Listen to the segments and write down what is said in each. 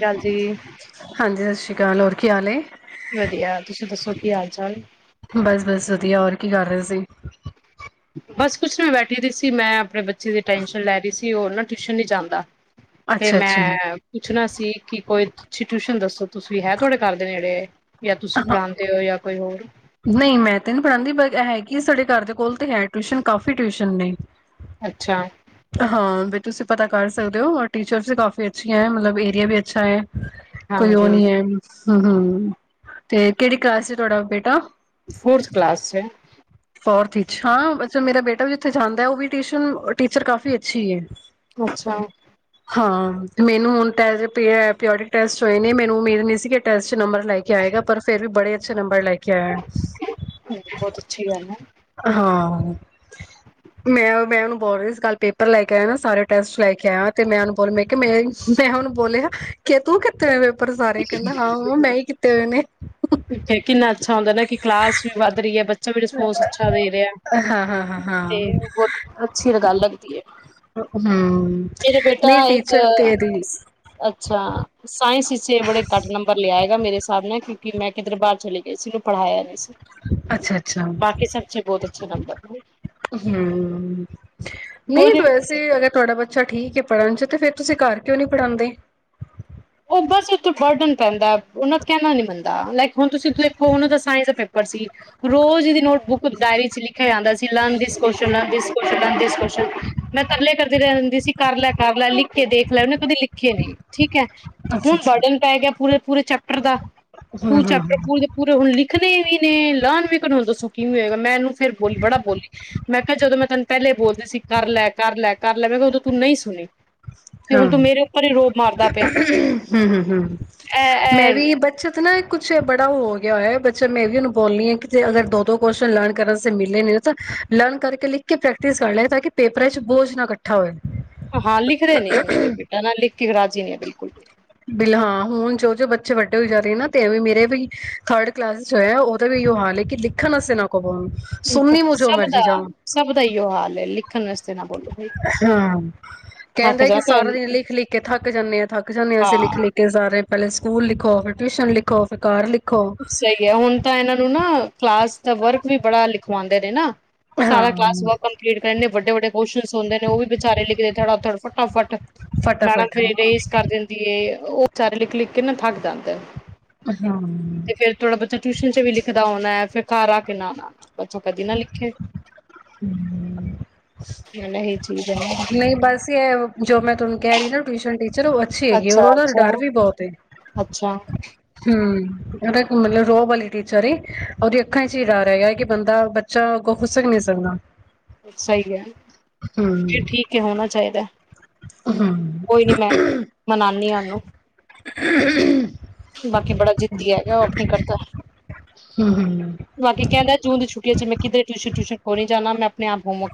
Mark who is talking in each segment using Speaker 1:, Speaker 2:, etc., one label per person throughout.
Speaker 1: ਗੱਲ ਜ-
Speaker 2: ਕਿਆ ਹਾਲ ਹੋਰ ਕੀ ਹਾਲ ਹੈ।
Speaker 1: ਵਧੀਆ ਤੁਸੀਂ ਦੱਸੋ ਕੀ ਹਾਲ ਚਾਲ
Speaker 2: ਬਸ ਬਸ ਵਧੀਆ ਹੋਰ ਕੀ ਕਰ ਰਹੇ ਸੀ।
Speaker 1: ਬਸ ਕੁਛ ਨਹੀਂ, ਬੈਠੀ ਸਿਦੀ ਮੈਂ ਆਪਣੇ ਬੱਚ ਚ ਦੀ ਟੈਂਨਸ਼ਨ ਲੈ ਰਹੀ ਸੀ ਉਹ ਨਾ ਟਿਊਸ਼ਨ ਨਹੀ ਜਾਂਦਾ। ਤੇ
Speaker 2: ਅੱਛਾ
Speaker 1: ਮੈਂ,
Speaker 2: ਅੱਛਾ
Speaker 1: ਪੁੱਛਣਾ ਸੀ ਕਿ ਕੋਈ ਅੱਛੀ ਟਊਸ਼ਨ ਦੱਸੋ ਤੁਸੀਂ ਹੈ ਤੁਹਾਡੇ ਘਰ ਦੇ ਨੇੜੇ? ਜਾਂ ਤੁਸੀਂ
Speaker 2: ਹਾਂ
Speaker 1: ਪੜ੍ਹਾਉਦੇ ਹੋ ਜਾਂ ਕੋਈ ਹੋਰ
Speaker 2: ਨਹੀਂ ਮੈਂ ਤੇ ਨਹੀਂ ਪੜ੍ਹਾਂਦੀ, ਹੈਗੀ ਆ ਸਾਡੇ ਘਰ ਦੇ ਕੋਲ ਤਾਂ ਹੈ ਟਿਊਸ਼ਨ, ਕਾਫੀ ਟਿਊਸ਼ਨ ਨੇ
Speaker 1: ਅੱਛਾ
Speaker 2: ਹਾਂ ਵੀ ਤੁਸੀਂ ਪਤਾ ਕਰ ਸਕਦੇ ਹੋ, ਔਰ ਟੀਚਰਸ ਵੀ ਕਾਫੀ ਅੱਛੀਆਂ ਐਂ ਮਤਲਬ ਏਰੀਆ ਵੀ ਅੱਛਾ ਐ ਕੋਈ ਉਹ
Speaker 1: ਹਾਂਜੀ
Speaker 2: ਨਹੀਂ ਹੈ ਹਮ ਹਮ ਤੇ ਕਿਹੜੀ ਕਲਾਸ ਐ ਤੁਹਾਡਾ ਬੇਟਾ?
Speaker 1: ਫੋਰਥ ਕਲਾਸ ਚੈ
Speaker 2: ਫੋਰਥ ਹਾਂ, ਮੇਰਾ ਬੇਟਾ ਵੀ ਥੇ ਜਾਂਦਾ ਹੈ ਉਹ ਵੀਿਊਸ਼ਨ ਟੀਚਰ ਕਾਫੀ ਅੱਛੀ
Speaker 1: ਅੱਛਾ
Speaker 2: ਹਾਂ ਮੈਨੂੰ ਹੁਣ [unintelligible] ਟੈਸਟ ਹੋਏ ਨੇ। ਮੈਨੂੰ ਉਮੀਦ ਨਹੀਂ ਸੀ ਕਿ ਟੈਸਟ ਨੰਬਰ ਲੈ ਕੇ ਆਏਗਾ ਪਰ ਫਿਰ ਵੀ ਬੜੇ ਅੱਛੇ ਨੰਬਰ ਲੈ ਕੇ [unintelligible]
Speaker 1: ਬਹੁਤ ਅੱਛੀ ਗੱਲ ਹੈ
Speaker 2: ਹਾਂ ਮੈਂ ਮੈਂ ਉਹਨੂੰ ਬੋਲ ਰਹੀ ਇਸ ਗੱਲ ਪੇਪਰ ਲੈ ਕੇ ਆਇਆ ਨਾ ਸਾਰੇ ਟੈਸਟ ਲੈ ਕੇ ਆਇਆ ਤੇ ਮੈਂ ਉਹਨੂੰ ਬੋਲ ਮੈਂ ਕਿਹਾ ਮੈਂ ਮੈਂ ਉਹਨੂੰ ਬੋਲਿਆ ਕਿ ਤੂੰ ਕਿੱਥੇ ਪਰ ਸਾਰੇ, ਕਹਿੰਦਾ ਹਾਂ ਮੈਂ ਹੀ ਕੀਤੇ ਹੋਏ ਨੇ
Speaker 1: ਕਿੰਨਾ ਅੱਛਾ ਕਿ ਕਲਾਸ ਵੀ ਵੱਧ ਰਹੀ ਐ ਬੱਚਾ ਵੀ ਰਿਸਪੋਂਸ ਅੱਛਾ ਦੇ ਰਿਹਾ
Speaker 2: ਹਾਂ ਹਾਂ ਹਾਂ ਹਾਂ
Speaker 1: ਤੇ ਬਹੁਤ ਅੱਛੀ ਗੱਲ ਲੱਗਦੀ ਹੈ
Speaker 2: ਹਮ
Speaker 1: ਮੇਰਾ
Speaker 2: ਨਹੀਂ
Speaker 1: ਬੇਟਾ ਇੱਕ,
Speaker 2: ਟੀਚਰ ਤੇਰੀ
Speaker 1: ਅੱਛਾ ਤਾਂ ਈ ਸੀ ਬੜੇ ਘੱਟ ਨੰਬਰ ਲਿਆਏਗਾ ਰੇ ਹਿਸਾਬ ਨਾਲ ਕਿ ਕਿ ਮੈਂ ਕਿੱਧਰ ਬਾਹਰ ਚਲੇ ਗਈ ਸੀ। [unintelligible] ਪੜ੍ਹਾਇਆ ਨਹੀਂ ਸੀ
Speaker 2: ਅੱਛਾ ਅੱਛਾ,
Speaker 1: ਬਾਕੀ ਸਭ ਚ ਬਹੁਤ ਅੱਛੇ ਨੰਬਰ ਨੇ।
Speaker 2: ਹਮ,
Speaker 1: ਕੋਈ
Speaker 2: ਨਹੀਂ
Speaker 1: ਨੀ
Speaker 2: ਵੈਸੇ ਅਗਰ ਤੁਹਾਡਾ ਬੱਚਾ ਠੀਕ ਹੈ ਪੜ੍ਹਨ ਚ ਤੇ ਫੇਰ ਤੁਸੀਂ ਘਰ ਕਿਉਂ ਨੀ ਪੜਾਂਦੇ?
Speaker 1: ਉਹ ਬਸ ਓਤੇ ਬਰਡਨ ਪੈਂਦਾ। ਉਹ ਨਾ ਕਹਿਣਾ ਨੀ ਮੰਨਦਾ ਲਕ ਹੁਣ ਤੁਸੀਂ ਦੇਖੋ ਤਾਂ ਦਾ ਸੀ। ਰੋਜ਼ ਦੀ ਨੋਟ ਬੁੱਕ ਡਾਇਰੀ ਚ ਲਿਖਿਆ ਜਾਂਦਾ ਸੀ ਲਰਨ ਦਿਸ [unintelligible] ਮੈਂ ਤਰਲੇ ਕਰਦੀ ਰਹਿਦੀ ਸੀ, ਕਰ ਲੈ ਕਰ ਲੈ, ਲਿਖ ਕੇ ਦੇਖ ਲੈ ਉਹਨੇ ਕਦੀ ਲਿਖੇ ਨ ਠੀਕ ਹੈ
Speaker 2: ਅੱਛਾ
Speaker 1: ਹੁਣ
Speaker 2: ਅੱਛਾ
Speaker 1: ਬਰਡਨ ਪੈ ਗਿਆ ਪੂਰੇ ਪੂ ਚ ਦਾ
Speaker 2: ਹਾਂ
Speaker 1: ਤੂੰ
Speaker 2: ਹਾਂ
Speaker 1: ਚੈਪਟਰ ਪੂਰੇ
Speaker 2: ਹਾਂ
Speaker 1: ਦੇ ਪੂਰੇ ਹੁਣ ਲਿਖਣੇ ਵੀ ਨੇ ਲਾਨ ਵੇਖਣਣ ਦੱਸੋ ਕੀ ਹੋਗਾ ਮੈਂ ਇਹਨੂੰ ਫਿਰ ਬੋਲੀ ਬੜਾ ਬੋਲੀ ਮੈਂ ਕਿਹਾ ਜਦੋਂ ਮੈਂ ਤੈਨੂੰ ਪਹਿਲੇ ਬੋਲਦੇ ਸੀ ਕਰ ਲੈ ਕਰ ਲੈ ਕਰ ਲੈ ਮੈਂ ਕਿਹਾ ਉਦੋਂ ਤੂੰ ਨਹੀਂ ਸੁਣੀ ਤੇ ਹੁਣ
Speaker 2: ਹਾਂ
Speaker 1: ਤੂੰ ਮੇਰੇ ਉੱਪਰ ਹੀ ਰੋਬ ਮਾਰਦਾ ਪਿਆ
Speaker 2: ਹਮ ਹਮ ਹਮ
Speaker 1: ਐ
Speaker 2: ਮੈਂ
Speaker 1: ਐ
Speaker 2: ਵੀ ਬੱਚਤ ਨਾ ਕੁਛ ਬੜਾ ਉਹ ਹੋ ਗਿਆ ਹੋਆ ਬੱਚਾ ਮੈਂ ਇਹ ਵੀ ਉਹਨੂੰ ਬੋਲਣੀ ਹਾਂ ਕਿ ਅਗਰ ਦੋ ਦੋ ਕੁਸ਼ਚ ਲਰਨ ਕਰਨ ਮਿਲੇ ਨੇ ਤਾਂ ਲਰਨ ਕਰਕੇ ਲਿਖ ਕੇ ਪ੍ਰੈਕਟਿਸ ਕਰ ਲੈਏ ਤਾਂ ਕਿ ਪੇਪਰਾਂ ਚ ਬੋਝ ਨਾ ਇਕੱਠਾ ਹੋਵੇ
Speaker 1: ਹਾਂ ਲਿਖ ਨੇ ਮੇਰੇ ਬੇਟਾਂ ਨਾਲ ਕਿਗ ਰਾਜੀ ਨੇ ਬਿਲਕੁਲ
Speaker 2: ਬਿਲਹਾਂ ਹੁਣ ਜੋ ਜੋ ਬੱਚੇ ਵੱਡੇ ਹੋ ਜਾ ਰਹੇ ਨਾ ਤੇ ਵੀ ਮੇਰੇ ਵੀ ਥਰਡ ਕਲਾਸ ਚ ਹੋਇਆ ਉਹਦਾ ਵੀ ਇੋ ਹਾਲ ਹੈ ਕਿ ਲਿਖਣ ਵਸੇ ਨਾ ਕੋ ਪਾਉਣ ਸੁਨੀ ਮ ਜੋ
Speaker 1: ਸਭ
Speaker 2: ਮਰਜ਼ੀ
Speaker 1: ਦਾ
Speaker 2: ਜਾਓ
Speaker 1: ਸਭ ਦਾ ਇਹੀਓ ਹਾਲ ਹੈ ਲਿਖਣ ਵਾਸਤੇ ਨਾ ਬੋਲੋ ਬਈ
Speaker 2: ਹਾਂ
Speaker 1: ਥੱਕ
Speaker 2: ਕਹਿੰਦਾ ਕਿ
Speaker 1: ਜਾਤਾ
Speaker 2: ਸਾਰਾ ਦਿਨ
Speaker 1: ਹੈ
Speaker 2: ਲਿਖ ਲਿਖ ਕੇ ਥੱਕ ਜਾਂਦੇ ਆ ਥੱਕ ਜਾਂਦੇ ਆ
Speaker 1: ਹਾਂ
Speaker 2: ਲਿਖ ਲਖ ਕੇ ਜਾ ਰਹੇ ਪਹਿਲੇ ਸਕੂਲ ਲਿਖੋ ਫਿਰਰਿਊਸ਼ਨ ਲਿਖੋ ਫਿਰ ਘਰ ਲਿਖੋ
Speaker 1: ਅੱਛਾ ਹੈ ਹੁਣ ਤਾਂ ਇਹਨਾਂ ਨੂੰ ਨਾ ਕਲਾਸ ਵਰਕ ਵੀ ਬੜਾ ਲਿਖਵਾਉਂਦੇ ਨੇ ਨਾ ਸਾਰਾ
Speaker 2: ਹਾਂ
Speaker 1: ਕਲਾ ਵਰ ਕੰਪਲੀ ਕਰ ਵਡੇ ਵਡੇ ਕੁ ਹੁੰਦੇ ਨੇ ਉਹ ਵੀ ਵਿਚਾਰੇ ਲਿਖਦੇਾੜ ਫਟਾਫਟ ਮੈਡਮ
Speaker 2: ਫਟਾਫਟ
Speaker 1: ਫ
Speaker 2: ਹਾਂ
Speaker 1: ਰੇਸ ਕਰ ਦਿੰਦੀ ਹੈ ਉਹ ਸਾਰੇ ਲਿਖ ਲਿਖ ਕੇ ਨਾ ਥੱਕ ਜਾਂਦੇ
Speaker 2: ਹਾਂ
Speaker 1: ਫਿਰ ਥੋੜਾ ਬੱਚਾ ਟਿਊਸ਼ਨ ਚ ਵੀ ਲਿਖਦਾ ਹੋਣਾ ਹੈ ਫਿਰ ਘਰ ਆ ਕੇ ਨਾ ਆ ਨਾ ਆ ਬੱਚਾ ਕਦੇ ਨਾ ਲਿਖੇ ਇਹੀ ਚੀਜ਼ ਹੈ
Speaker 2: ਨਹੀਂ ਬਸ ਇਹ ਜੋ ਮੈਂ ਤੁ ਕਹਿ ਰਹੀ ਨਾ ਟਿਊਸ਼ਨ ਟੀ ਚਲੋ ਅੱਛੇ ਹੈਗੇ ਔਰ
Speaker 1: ਅੱਛਾ
Speaker 2: ਉਹਦਾ ਦਾ
Speaker 1: ਅੱਛਾ
Speaker 2: ਡਰ ਵੀ ਬਹੁਤ
Speaker 1: ਅੱਛਾ
Speaker 2: ਹਮ ਉਹਦਾ ਮਤਲਬ ਰੋਹ ਵਾਲੀ ਟੀਚਰ ਉਹਦੀ ਅੱਖਾਂ ਚ ਹੀ ਡ ਰਹਿਗਾ ਕਿ ਬੰਦਾ ਬੱਚਾ ਅੱਗੋਂ ਖੁੱਸਕ ਨੀ ਸਕਦਾ
Speaker 1: ਸਹੀ ਹੈ ਫਿਰ
Speaker 2: ਹੂੰ
Speaker 1: ਠੀਕ ਹੈ ਹੋਣਾ ਚਾਹੀਦਾ
Speaker 2: ਹੂੰ
Speaker 1: ਕੋਈ ਨੀ ਮੈਂ ਮਨਾਉਦੀ ਹਾਂ ਉਹਨੂੰ
Speaker 2: ਹ
Speaker 1: ਬਾਕੀ ਬੜਾ ਜਿੱਦੀ ਹੈਗਾ ਉਹ ਆਪਣੀ ਕਰਦਾ
Speaker 2: ਹੂੰ
Speaker 1: ਬਾਕੀ ਕਹਿੰਦਾ ਜੂਨ ਦੀ ਛੁੱਟੀਆਂ ਚ ਮੈਂ ਕਿਧੇ ਟਿਊਸ਼ਨ ਟਿਊਸ਼ਨ ਕੋ ਨਹੀਂ ਜਾਾਨਾ ਮੈਂ ਆਪ ਘੁੰਮ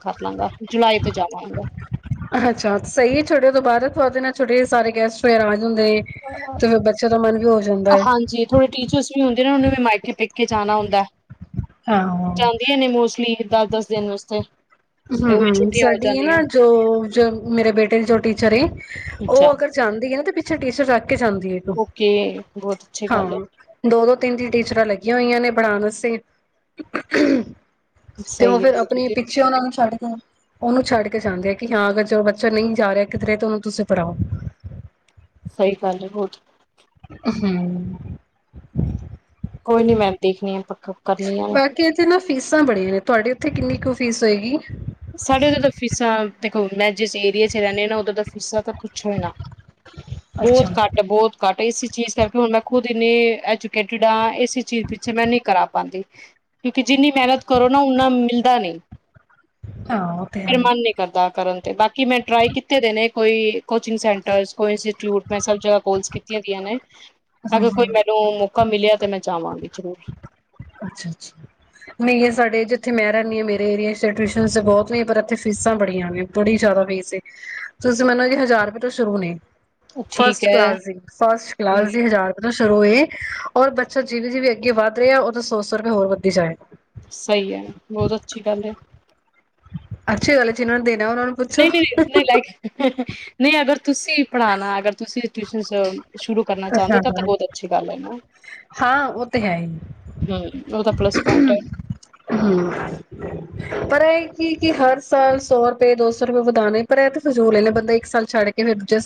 Speaker 2: ਅੱਛਾ ਸਹੀ ਹੈ ਛੱਡਓ ਦੁਬਾਰਾ ਦੇ ਨਾਲ ਛੋਟੇ ਸਾਰੇ ਗਸਟ ਹੋਏ ਰਾ ਜਾਂਦਾ ਹੈ
Speaker 1: ਹਾਂਜੀ ਥੋੜੇ ਟੀਚਰਸ ਵੀ ਹੁੰਦੇ ਨੇ ਉਹ ਮਾਇ ਪੇਕ ਕੇ ਜਾਣਾ ਹੁੰ ਹਦਾ
Speaker 2: ਹਾਂ
Speaker 1: ਜਾਂਾਹਦੀਆਂ ਨੇ ਮੋਸਟਲੀ ਦਾ ਦਸ ਦਿਨ ਵਾਸਤੇ ਤੇ
Speaker 2: ਹਮ
Speaker 1: ਉਹ ਵੀ
Speaker 2: ਹਮ
Speaker 1: ਛੁੱਟੀਆਂ ਹੋ
Speaker 2: ਸਾਡੀ ਨਾ
Speaker 1: ਜਾਂਦੀਆਂ
Speaker 2: ਜੋ ਜੋ ਮੇਰੇ ਬੇਟੇ ਜੋ ਟੀਚਰ
Speaker 1: ਅੱਛਾ
Speaker 2: ਉਹ ਅਗਰ ਜਾਂਦੀ ਹੈ ਨਾ ਤੇ [unintelligible] ਕੇ ਜਾਂਦੀ ਹੈ [unintelligible]
Speaker 1: ਓਕੇ ਬਹੁਤ ਅੱਛੀ ਗੱਲ
Speaker 2: ਹਾਂ
Speaker 1: ਹੈ
Speaker 2: ਦੋ ਦੋ ਤਿੰਨ ਤਿੰਨ ਟੀਚਰਾਂ ਲੱਗੀਆਂ ਹੋਈਆਂ ਨੇ ਪੜਾਣ ਵਾਸਤੇ ਤੇ ਉਹ
Speaker 1: ਸਹੀ ਹੈ
Speaker 2: ਫਿਰ ਆਪਣੇ
Speaker 1: ਜੀ,
Speaker 2: ਪਿੱਛੇ ਉਹਨਾਂ ਨੂੰ [unintelligible] ਉਹਨੂੰ ਛੱਡ ਕੇ ਚਾਹਦੇ ਆ ਕਿ ਹਾਂ ਅਗਰ ਜ ਬੱਚਾ ਨਹੀਂ ਜਾ ਰਿਹਾ ਕਿਧਰੇ ਤੇ ਉਹਨੂੰ ਤੁਸੀਂ ਪੜ੍ਹਾਓ
Speaker 1: ਸਹੀ ਗੱਲ ਹੈ ਬਹੁਤ
Speaker 2: ਹਮ
Speaker 1: ਕੋਈ ਨੀ ਮੈਂ ਦੇਖਣੀ ਆ [unintelligible]
Speaker 2: [unintelligible]
Speaker 1: ਆ
Speaker 2: ਬਾਕੀ ਇਥੇ ਨਾ ਫੀਸ [unintelligible] ਸਾਂ ਬੜੀਆਂ ਨੇ ਤੁਹਾਡੇ ਉੱਥੇ ਕਿੰਨੀ ਕੁ ਫੀਸ ਹੋਏਗੀ?
Speaker 1: ਸਾਡੇ ਉਧਰ ਤਾਂ ਫੀਸਾਂ [unintelligible] ਮੈਂ ਜਿਸ ਏਰੀਏ ਚ ਰਹਿਨੀ ਹਾਂ ਨਾ ਉਧਰ ਦਾ ਫੀਸਾਂ ਤਾਂ ਪੁੱਛੋ ਹੀ ਨਾ ਬਹੁਤ
Speaker 2: ਅੱਛਾ
Speaker 1: ਘੱਟ ਬਹੁਤ ਘੱਟ ਇਸੀ ਚੀਜ਼ ਕਰਕੇ ਹੁਣ ਮੈਂ ਖੁਦ ਇੰਨੀ ਐਜੂਕੇਟਿਡ ਹਾਂ, ਇਸੀ ਚੀਜ਼ ਪਿੱਛੇ ਮੈਂ ਨਹੀਂ ਕਰਾ ਪਾਂਦੀ ਕਿਉਂਕਿ ਜਿੰਨੀ ਮਿਹਨਤ ਕਰੋ ਨਾ ਉਨਾ ਮਿਲਦਾ ਨਹੀਂ
Speaker 2: ਆਹ ਉਹ ਤੇ ਆ
Speaker 1: ਫਿਰ ਮਨ ਨਹੀਂ ਕਰਦਾ ਕਰਨ ਤੇ ਬਾਕੀ ਮੈਂ ਟਰਾਈ ਕੀਤੇ ਦੇ ਨੇ ਕੋਈ ਕੋਚਿੰਗ ਸੈਂਟਰਸ ਕੋ ਇੰਸਟੀਚਿਊਟ ਮੈਂ ਸਭ ਜਗ੍ਹਾ ਕੋਲਸ ਕੀਤੀਆਂ ਹੋਈਆਂ ਨੇ, ਅਗਰ ਕੋਈ
Speaker 2: ਅੱਛਾ
Speaker 1: ਮੈਨੂੰ ਮੌਕਾ ਮਿਲਿਆ ਤੇ ਮੈਂ ਜਾਾਵਾਂਗੇ ਜ਼ਰੂਰ
Speaker 2: ਅੱਛਾ ਛਾ, ਨਹੀਂ [unintelligible] ਸਾਡੇ ਜਿੱਥੇ ਮੈਂ ਰਹਿੰਨੀ ਹਾਂ, ਮੇਰੇ ਏਰੀਏ ਚ ਟਿਊਸਨਸ ਤਾਂ ਬਹੁਤ ਨੇ ਪਰ ਇਥੇ ਫੀਸਾਂ ਬੜੀਆਂ ਨੇ, ਬੜੀ ਜ਼ਿਆਦਾ ਫੀਸ ਏ, ਤੁਸੀਂ ਮੰਨੋ ਕਿ ਹਜ਼ਾਰ ਰੁਪਏ ਤੋਂ ਸ਼ੁਰੂ ਨੇ
Speaker 1: ਠੀਕ
Speaker 2: ਫਸਟ
Speaker 1: ਹੈ
Speaker 2: ਕਲਾਸ ਦੀ, ਫਸਟ
Speaker 1: ਹਮ
Speaker 2: ਕਲਾਸ ਦੀ ਹਜ਼ਾਰ [unintelligible] ਰੋਏ, ਔਰ ਬੱਚਾ ਜਿਵੇਂ ਜਿਵੇ ਅੱਗੇ ਵੱਧ ਰਿਹਾ [unintelligible] ਸੌ ਸੌ ਰੁਪਏ ਹੋਰ ਵਧੀ ਜਾਏਗਾ
Speaker 1: ਸਹੀ ਹੈ, ਬਹੁਤ ਅੱਛੀ ਗੱਲ ਹੈ
Speaker 2: ਅੱਛੀ ਗੱਲ ਹੈ, ਜਿਨ੍ਹਾਂ ਦੇ
Speaker 1: ਨਹੀਂ ਨਹੀਂ ਨਹੀਂ ਨਹੀਂ ਲੈ ਕੇ ਹ ਹ ਨਹੀਂ ਅਗਰ ਤੁਸੀਂ ਪੜ੍ਹਾਣਾ ਅਗਰ ਤੁਸੀਓਂ ਟਿਊਸ਼ਨਸ ਸ਼ੁਰੂ ਕਰਨਾ ਚਾਹੁੰਦੇ ਤ ਤਾਂ ਬਹੁਤ ਅੱਛੀ ਗੱਲ ਹੈ [unintelligible]
Speaker 2: ਹਾਂ ਉਹ ਤੇ ਹੈ ਹੀ
Speaker 1: ਹਮ ਉਹ ਤਾਂ ਪਲੱਸ ਪੁਆਇੰਟ ਹੈ
Speaker 2: ਪਰ ਇਹ ਕਿ ਕਿ ਹਰ ਸਾਲ ਸੌ ਰੁਪਏ, ਦੋ ਸੌ ਰੁਪਏ ਵਧਾਣੇ ਪਰ ਇਹ ਤੇ ਫਜ਼ੂਲ ਏ ਨੇ ਬੰਦਾ ਇੱਕ ਸਾਲ ਛੱਡ ਕੇ ਫਿਰ ਦੂਜੇ ਸ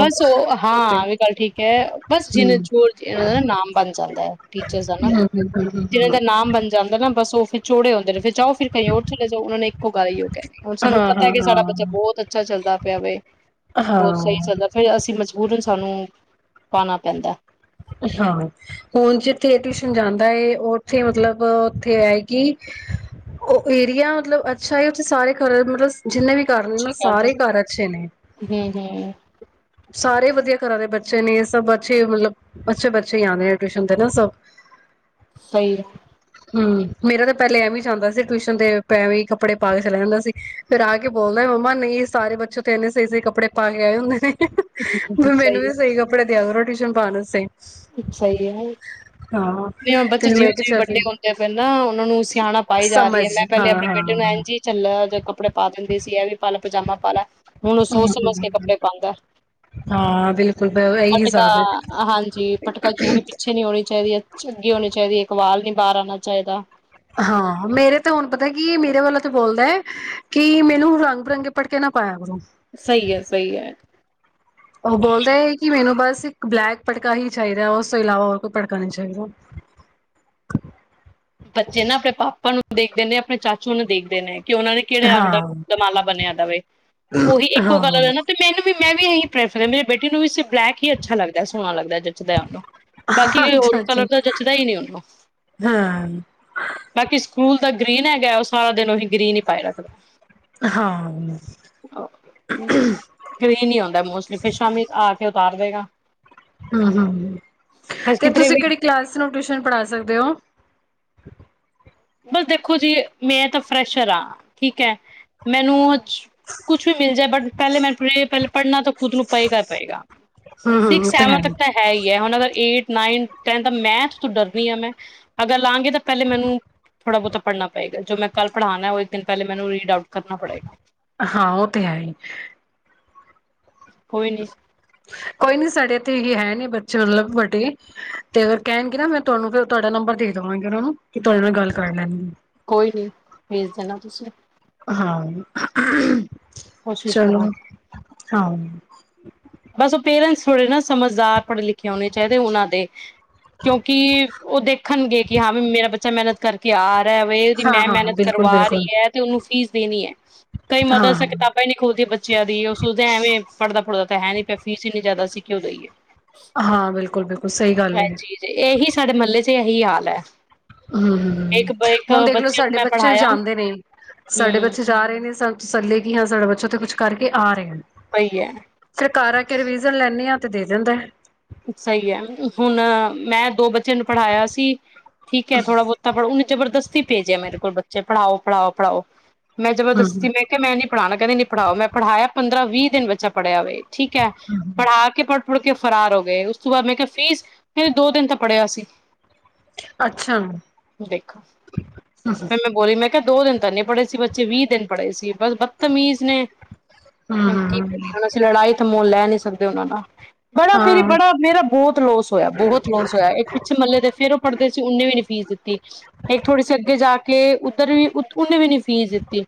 Speaker 1: ਬਸ ਉਹ ਹਾਂ ਆਵੀ ਗੱਲ ਠੀਕ ਕ ਬਸ ਜਿਨ ਚੇਰ ਇਹ ਨਾਮ ਬਣ ਜਾਂਦਾ ਹੈ ਟੀਚਰ ਦਾ ਨਾ, ਜਿਨਾਂ ਦਾ ਨਾਮ ਬਣ ਜਾਂਦਾ ਨਾ ਬਸ ਉਹ ਫਿਰ ਚੋੜੇ ਹੁੰਦੇ ਨੇ ਫਿਰ ਜਾਓ ਫਿਰ ਕਹੀਂ ਓਰ ਚਲੇ ਜਾਓ ਉਹਨਾਂ ਨੇ ਉਗਾ ਈ ਉਹ ਕਹਿੰਦੀ, ਹੁਣ ਸਾਨੂੰ
Speaker 2: ਹਾਂ
Speaker 1: ਪਤਾ
Speaker 2: ਹਾਂ
Speaker 1: ਕਿ ਸਾਡਾ ਬੱਚਾ ਬਹੁਤ ਅੱਛਾ ਚੱਲਦਾ ਪਿਆ ਵੇ
Speaker 2: ਹਾਂ
Speaker 1: ਬਹੁਤ ਸਹੀ
Speaker 2: ਹਾਂ
Speaker 1: ਫਿਰ ਅਸੀਂ ਮਜਬੂਰਨ ਸਾਨੂੰ ਪਾਨਾ ਪੈਂਦਾ
Speaker 2: ਹਾਂ, ਹੁਣ ਜਿੱਥੇ ਟਿਊਸ਼ਨ ਜਾਂਦਾ ਏ ਉੱਥੇ ਮਤਲਬ ਉੱਥੇ ਏਐ ਕੀ ਉਹ ਏਰੀਆ ਮਤਲਬ ਅੱਛਾ ਹੈ ਉੱਥੇ ਸਾਰੇ ਘਰ [unintelligible] ਮਤਲਬ ਜਿੰਨੇ ਵੀ ਕਰ ਲ ਨਾ
Speaker 1: ਅੱਛੀ ਗੱਲ ਹੈ
Speaker 2: ਸਾਰੇ ਘਰ ਅੱਛੇ ਨੇ।
Speaker 1: ਹਮ ਹਮ
Speaker 2: ਸਾਰੇ ਵਧੀਆ ਘਰ ਦੇ ਬੱਚੇ ਨੇ, ਸਭ ਅੱਛੇ ਮਤਲਬ ਅੱਛੇ ਬੱਚੇ ਆਉਂਦੇ ਆ ਟਿਊਸ਼ਨ ਦੇ ਨਾ ਸਭ।
Speaker 1: ਸਹੀਰ
Speaker 2: ਹਮ ਮੇਰਾ ਤਾਂ ਪਹਿਲੇ ਐਵੇਂ ਜਾਂਦਾ ਸੀ, ਟਿਊਸ਼ਨ ਤੇ ਪੈਵੇਂ ਕੱਪੜੇ ਪਾ ਕੇ ਚਲਾ ਜਾਂਦਾ ਸੀ, ਫਿਰ ਆ ਕੇ, ਬੋਲਦਾ ਮੰਮਾ ਨਹੀਂ ਸਾਰੇ ਬੱਚੇ ਤੇ ਇੰਨੇ ਸਹੀ ਸਹੀ ਕੱਪੜੇ ਪਾ ਕੇ ਆਏ ਹੁੰਦੇ ਨੇ। ਮੈਨੂੰ ਵੀ ਸਹੀ ਕੱਪੜੇ ਦਿਆਗੇ ਰੋਟੀ ਟਿਊਸ਼ਨ ਪਾ ਨ ਸੇ
Speaker 1: ਸਹੀ ਹੈ, ਨਹੀਂ ਹ ਬੱਚੇ
Speaker 2: ਤੇ
Speaker 1: ਜਿਵੇਂ
Speaker 2: ਮੈਂ
Speaker 1: ਜਿਵੇਂ
Speaker 2: ਕਿਹਾ ਚੱਲ
Speaker 1: ਵੱਡੇ ਹੁੰਦੇ ਆ ਪਏ ਨਾ, ਉਹਨਾਂ ਨੂੰ ਸਿਆਣਾ ਪਾਈ ਜਾ ਰਹੀ ਹੈ।
Speaker 2: ਸਮਝ
Speaker 1: ਮੈਂ ਪਹਿਲੇ
Speaker 2: ਹਾਂ
Speaker 1: ਆਪਣੇ ਬੇਟੇ ਨੂੰ
Speaker 2: ਹਾਂ।
Speaker 1: ਐਨ ਜੀ ਚੱਲ ਜੋ ਕੱਪੜੇ ਪਾ ਦਿੰਦੀ ਸੀ। ਵੀ ਪਾਲਾ ਪਜਾਮਾ ਪਾ ਲਾ। ਹੁਣ ਸੋਚ ਸਮਝ ਕੇ
Speaker 2: ਹਮ,
Speaker 1: ਕੱਪੜੇ ਪਾਉਂਦਾ।
Speaker 2: ਹਾਂ ਬਿਲਕੁਲ ਬ ਇਹੀ
Speaker 1: ਅਟਕਾ
Speaker 2: ਹਿਸਾਬ ਹੈ।
Speaker 1: ਹਾਂਜੀ। ਜੂੜੀ ਪਿੱਛੇ ਨੀ ਹੋਣੀ ਚਾਹੀਦੀ ਹੈ, ਚੰਗੀ ਹੋਣੀ ਚਾਹੀਦੀ ਹੈ। ਵਾਲ ਨੀ ਬਾਹਰ ਆਣਾ ਚਾਹੀਦਾ।
Speaker 2: ਹਾਂ, ਮੇਰੇ ਤਾਂ ਹੁਣ ਪਤਾ ਕੀ ਮੇਰੇ ਵਾ ਤੇ ਬੋਲਦਾ ਹੈ, ਕਿ, ਮੈਨੂੰ ਰੰਗ ਬਿਰੰਗੇ ਪਟਕੇ ਨਾ ਪਾਇਆ ਕਰੋ।
Speaker 1: ਸਹੀ ਹੈ ਸਹੀ ਹੈ।
Speaker 2: ਉਹ ਬੋਲਦਾ ਹੈ, ਕਿ ਮੈਨੂੰ ਬਸ ਇੱਕ ਬਲੈਕ ਪਟਕਾ ਹੀ ਚਾਹੀਦਾ। ਉਸ ਤੋਂ ਇਲਾਵਾ ਹੋਰ ਕੋਈ ਪਟਕਾ ਨਹੀਂ ਚਾਹੀਦਾ।
Speaker 1: ਬੱਚੇ ਨਾ ਆਪਣੇ ਪਾਪਾ ਨੂੰ ਦੇਖਦੇ ਨੇ ਆਪਣੇ ਚਾਚੂ ਨੂੰ ਦੇਖਦੇ ਨੇ। ਕਿ ਉਹਨਾਂ ਨੇ ਕਿਹੜੇ ਰੰਗ ਦਾ
Speaker 2: ਹਾਂ
Speaker 1: ਦਮਾਲਾ ਬਣਿਆ ਜਾਵੇ ਉਹੀ ਇੱਕੋ ਕਲਰ
Speaker 2: ਹਾਂ
Speaker 1: ਹੈ ਨਾ ਤੇ ਮੈਨੂੰ ਵੀ ਮੈਂ, ਵੀ ਇਹੀ ਪ੍ਰੈਫਰ ਹ ਮੇਰੇ ਬੇਟੇ ਨੂੰ ਇਸ ਬਲੈਕ ਹੀ ਅੱਛਾ ਲੱਗਦਾ ਸੋਹਣਾ ਲੱਗਦਾ ਜੱਚਦਾ ਉਹਨੂੰ ਬਾਕੀ ਕੋਈ ਹੋਰ
Speaker 2: ਅੱਛਾ ਅੱਛਾ
Speaker 1: ਕਲਰ ਦਾ ਜੱਚਦਾ ਹੀ ਨਹੀਂ ੳਹਨੂੰ।
Speaker 2: ਹਾਂ।
Speaker 1: ਬਾਕੀ ਸਕੂਲ ਜ ਗ੍ਰੀਨ ਹੈਗਾ ਉਹ ਸਾਰਾ ਦਿਨ ਉਹੀਂ ਗ੍ਰੀਨ ਹੀ ਪਾਏ ਰਗਦਾ।
Speaker 2: ਹਾਂ ਹੂੰ
Speaker 1: ਗਰਿਨ ਈ ਆਉਂਦਾ, ਮੋਸਟਲੀ ਫਿਰ ਸ਼ਾਮੀ ਆਕੇ ਉਤਾਰ ਦੇਗਾ।
Speaker 2: ਹਮ, ਹਮ ਹ
Speaker 1: ਬਸ
Speaker 2: ਤੇ
Speaker 1: ਕਿਧਰੇ
Speaker 2: ਤੁਸੀਂ
Speaker 1: ਵੀ
Speaker 2: ਕਿਹੜੀ ਕਲਾਸ ਨੂੰ ਟਿਊਸ਼ਨ ਪੜ੍ਹਾ ਸਕਦੇ ਹੋ।
Speaker 1: ਬਸ ਦੇਖੋ ਜੀ ਮੈਂ ਤਾਂ ਫਰੈਸ਼ਰ ਹਾਂ ਠੀਕ ਹੈ, ਮੈਨੂੰ ਕੁਛ ਵੀ ਮਿਲ ਜਾਏ, ਬਟ ਪਹਿਲੇ ਮੈ ਪਹਿ ਪੜ੍ਹਨਾ ਤਾਂ ਖੁਦ ਨੂੰ ਪਏਗਾ ਪਏਗਾ,
Speaker 2: ਹੂੰ ਹੂੰ
Speaker 1: ਸਿਕਸ
Speaker 2: ਉਹ ਤੇ ਹੈ
Speaker 1: ਸੈਵਨ
Speaker 2: ਹੀ
Speaker 1: ਤੱਕ ਤਾਂ ਹੈ ਹੀ ਹੈ, ਹੁਣ ਅਗਰ ਏਟ ਨਾਈਨਥ, ਟੈਨਥ ਮੈਥ ਤੋਂ ਡਰਨੀ ਆ ਮੈਂ, ਅਗਰ ਲਾਗੇ ਤਾਂ ਪਹਿਲੇ ਮੈਨੂੰ ਥੋੜਾ ਬਹੁਤਾ ਪੜ੍ਹਨਾ ਪਏਗਾ, ਜੋ ਮੈਂ ਕੱਲ ਪੜਾਣਾ ਉਹ ਇੱਕ ਦਿਨ ਪਹਿਲੇ ਮੈਨੂ ਰਿਡ ਆਊਟ ਕਰਨਾ ਪੜੇਗਾ।
Speaker 2: ਹਾਂ, ਉਹ ਤੇ ਹੈ ਹੀ।
Speaker 1: ਕੋਈ ਨੀ।
Speaker 2: ਕੋਈ ਨੀ, ਸਾਡੇ ਇੱਥੇ ਇਹੀ ਹੈ ਨੇ ਬੱਚੇ ਮਤਲਬ ਵਡੇ ਤੇ ਕਹਿਣਗੇ ਨਾ, ਮੈਂ ਤੁਹਾਨੂੰ ਫਿਰ ਤੁਹਾਡਾ ਨੰਬਰ ਦੇ ਦੇਵਾਂਗੀ ਉਹ ਨੂੰ ਕਿ ਤੁਹਾਡੇ ਨਾਲ ਗੱਲ ਕਰ ਲੈਣਗੇ।
Speaker 1: ਕੋਈ ਨੀ, ਭੇਜ ਦੇਣਾ ਤੁਸੀਂ।
Speaker 2: ਹਾਂ।
Speaker 1: ਕੋਸ਼ਿਸ਼
Speaker 2: ਚਲੋ,
Speaker 1: ਕਰਾਂ
Speaker 2: ਹਾਂ। ਹ
Speaker 1: ਬਸ ਉਹ ਪੇਰੈਂਟਸ ਥੋੜੇ ਨਾ ਸਮਝਦਾਰ ਪੜ੍ਹੇ ਲਿਖੇ ਹੋਣੇ ਚਾਹੀਦੇ ਉਹਨਾਂ ਦੇ ਕਿਉਂਕਿ ਉਹ ਦੇਖਣਗੇ ਹਾਂ ਵੀ ਮੇਰਾ ਬੱਚਾ ਮਹਨਤ ਕਰਕੇ ਆ ਉਹਦੀ
Speaker 2: ਹਾਂ
Speaker 1: ਮੈਂ
Speaker 2: ਹਾਂ
Speaker 1: ਮਿਹਨਤ
Speaker 2: ਬਿਲਕੁਲ
Speaker 1: ਕਰਵਾ ਰਹੀ
Speaker 2: ਬਿਲਕੁਲ
Speaker 1: ਹੈ ਤੇ ਉਹਨੂੰ ਫੀਸ ਦੇਣੀ ਹੈ ਕਈ
Speaker 2: ਹਾਂ
Speaker 1: ਮਦਦ ਸ ਕਿਤਾਬਾਂ
Speaker 2: ਹਾਂ
Speaker 1: ਹੀ ਨਹੀਂੀ ਖੋਲਦੀ ਬੱਚਿਆਂ ਦੀ ਉਹ ਸੋਚਦੇ ਐਵੇਂ ਪੜ੍ਹਦਾ ਪੜ੍ਹਦਾ ਤਾਂ ਹੈ ਨਹੀਂ ਪ ਫੀਸ ਇੰਨੀ ਜ਼ਿਆਦਾ ਸੀ ਕਿਉਂ ਦਈਏ
Speaker 2: ਹਾਂ ਬਿਲਕੁਲ ਬਿਲਕੁਲ ਸਹੀ ਗੱਲ ਹੈ
Speaker 1: ਹਾਂਜੀ ਜੀ, ਇਹੀ ਸਾਡੇ ਮਹੱਲੇ ਚ ਇਹੀ ਹਾਲ ਹੈ
Speaker 2: ਹਮ
Speaker 1: ਇੱਕ
Speaker 2: ਹ
Speaker 1: ਇੱਕ
Speaker 2: ਹੁਣ ਦੇਖਲਓ
Speaker 1: ਨੂੰ
Speaker 2: ਸਾਡੇ
Speaker 1: ਮੈਂ
Speaker 2: ਬੱਚੇ ਵੀ
Speaker 1: ਪੜ੍ਹਾਇਆ
Speaker 2: ਜਾਂਦੇ ਨੇ ਸਾਡੇ
Speaker 1: ਹਮ
Speaker 2: ਬੱਚੇ ਜਾ ਰਹੇ ਨੇ ਸ ਤਸੱਲੇ ਕਿ ਹਾਂ ਸਾਡਾ ਬੱਚਾ ਤੇ ਕੁਛ ਕਰਕੇ ਆ ਰਹੇ
Speaker 1: ਸਹੀ ਹੈ
Speaker 2: ਫਿਰ ਕਾਰ ਆ ਕੇ ਰਿਵੀਜ਼ਨ ਲੈਂਦੇ ਹਾਂ ਤੇ ਦੇ ਦਿੰਦਾ
Speaker 1: ਸਹੀ ਹੈ ਹੁਣ ਮੈਂ ਦੋ ਬੱਚਿਆਂ ਨੂੰ ਪੜ੍ਹਾਇਆ ਸੀ ਠੀਕ ਹੈ ਥੋੜਾ ਬਹੁਤਾ ਪੜ੍ਹ ਉਹਨੇ ਜਬਰਦਸਤ ਪੇਜ ਆ ਮੇਰੇ ਕੋਲ ਬੱਚੇ ਪੜ੍ਹਾਓ ਪੜ੍ਹਾਓ ਪੜ੍ਹਾਓ ਮੈਂ
Speaker 2: ਹਮ
Speaker 1: ਜਬਰਦਤੀ ਮੈਂ ਕਿਹਾ ਮੈਂ ਨੀ ਪੜਾਣਾ ਕਿੰਦੀੀ ਪੜ੍ਹਾਓ ਮੈਂ ਪੜਾਇਆ ਪੰਦਰਾਂ ਵੀਹ ਦਿਨ ਬੱਚਾੜਿਆ ਹੋਵੇ ਠੀਕ ਹੈ ਪੜ੍ਹਾ ਕੇ ਪੜ ਮੁੜ ਕੇ ਫਰਾਰ ਹੋ ਉਸ ਤੋਂ ਬਾਅਦ ਮੈਂ ਕਿਹਾ ਫੀਸ ਮੇ ਦੋ ਦਿਨ ਤਾਂ ਪੜ੍ਹਿਆ ਸੀ
Speaker 2: ਅੱਛਾ ਹਮ
Speaker 1: ਦੇਖੋ ਫ ਮੈਂ ਬੋਲੀ ਮੈਂ ਦੋ ਦਿਨ ਤਾਂ ਨਹੀਂ ਪੜ੍ਹੇ ਸੀ ਬੱਚੇ ਵੀਹ ਦਿਨ ਪੜ੍ਹੇ ਸੀ ਬਸ ਬਦਤਮੀਜ਼ ਨੇ ਕੀ
Speaker 2: ਹਮ
Speaker 1: ਬੋਲੀ ਉਹ ਸੀ ਲੜਾਈ ਤੇ ਮੁੋਨ ਲੈਣੀ ਸਕਦੇ ਉਹਨਾਂ ਨਾਲ ਬੜਾ ਮੇਰੀ
Speaker 2: ਹਾਂ
Speaker 1: ਬੜਾ ਮੇਰਾ ਬਹੁਤ ਲੋਸ ਹੋਇਆ ਬਹੁਤ ਲੋਸ ਹੋਇਆ ਇੱਕ ਪਿੱਛੇ ਮਹੱਲੇ ਦੇ ਫੇਰ ਉਹ ਪੜਦੇ ਸੀ ਉਹਨੇ ਵੀ ਨੀ ਫੀਸ ਦਿੱਤੀ ਇੱਕ ਥੋੜੀ ਸੀ ਅੱਗੇ ਜਾ ਕੇ ਕੇ ਉੱਧਰ ਵੀ ਉਹਨੇ ਵੀ ਨੀ ਫੀਸ ਦਿੱਤੀ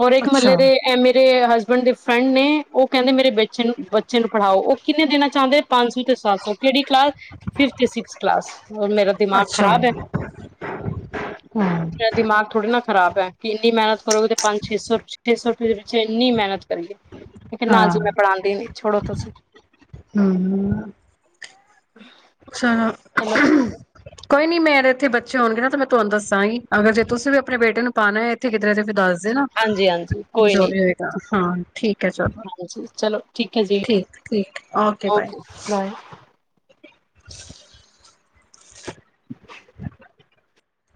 Speaker 1: ਹੋਰ ਇੱਕ ਮਤਲਬ
Speaker 2: ਅੱਛਾ
Speaker 1: ਦੇ ਐ ਮੇਰੇ ਹਸਬੈਂਡ ਦੇ ਫਰੈਂਡ ਨੇ ਉਹ ਕਹਿੰਦੇ ਮੇਰੇ ਬੇ ਨੂੰ ਬੱਚੇ ਨੂੰ ਪੜ੍ਹਾਓ ਉਹ ਕਿੰਨੇ ਦੇਣਾ ਚਾਹੁੰਦੇ ਪੰਜ ਸੌ ਤੇ ਸਤ ਸੌ ਕਿਹੜੀ ਕਲਾਸ ਫਿਫਥ ਸਸ ਕਲਾਸ ਉਹਰ ਮੇਰਾ ਦਿਮਾਗ
Speaker 2: ਅੱਛਾ
Speaker 1: ਖ਼ਰਾਬ ਹੈ
Speaker 2: ਹਮ ਹਾਂ
Speaker 1: ਮੇਰਾ ਦਿਮਾਗ ਥੋੜੇ ਨਾ ਖ਼ਰਾਬ ਹੈ ਕਿ ਇੰਨੀ ਮਿਹਨਤ ਕਰੋਗੇ ਤੇ ਪੰਜ ਛੇ ਸੌ ਛੇ ਸੌ ਰੁਪਏ ਦੇ ਵਿੱਚੇ ਇੰਨੀ ਮਿਹਨਤ ਕਰੀਏ ਇੱਕ ਨਾਲ ਜ
Speaker 2: ਹਮ
Speaker 1: ਮੈਂ ਪੜਾਉਂਦੀ ਨੀ। ਛੋੜ ਤੁਸੀਂ
Speaker 2: ਹਮ, ਚਲੋ।
Speaker 1: ਚਲੋ
Speaker 2: ਕੋਈ ਨਹੀਂ ਮਰੇ ਇੱਥੇ ਬੱਚੇ ਹੋਣਗੇ ਨਾ ਤਾਂ ਮੈਂ ਤੁਹਾਨੂੰ ਦੱਸਾਂਗੀ ਅਗਰ ਜੇਸੀ ਵੀ ਆਪਣੇ ਬੇ ਨੂੰ ਪਾਉਣਾ ਹੈ ਇੱਥੇ ਕਿਧਰ ਇ ਫਿਰ ਦੱਸ ਨਾ
Speaker 1: ਹਾਂਜੀ ਹਾਂਜੀ ਕੋਈ
Speaker 2: ਜੋ
Speaker 1: ਨੀ
Speaker 2: ਵੀ ਹੋਏਗਾ। ਹਾਂ, ਠੀਕ ਹੈ ਚਲੋ,
Speaker 1: ਹਾਂਜੀ ਚਲੋ ਠੀਕ ਹੈ ਜੀ
Speaker 2: ਠੀਕ- ਠੀਕ, ਓਕੇ ਬਾਏ। ਛਨ ਸ਼ਕ